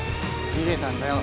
逃げたんだよ